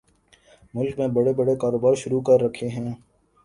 ملک میں بڑے بڑے کاروبار شروع کر رکھے ہیں